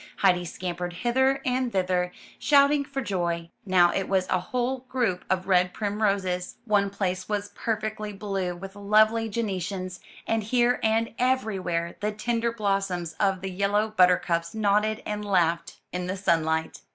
Heidi scampered hither and thither, shouting for joy. Now it was a whole group of red primroses; one place was perfectly blue with lovely gentians; and here and everywhere the tender blossoms of the yellow buttercups nodded and laughed in the sun 278 UP ONE PAIR OF STAIRS light.